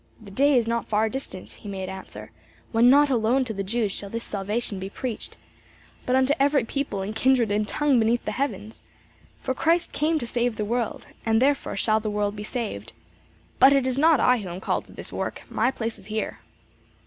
'The day is not far distant,' he made answer, 'when not alone to the Jews shall this salvation be preached, but unto every people and kindred and tongue beneath the heavens; for Christ came to save the world, and therefore shall the world be saved; but it is not I who am called to this work; my place is here.